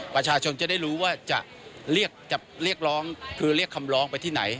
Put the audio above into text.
ประชาชนจะได้รู้ว่าจะเรียกคำร้องไปที่ไหน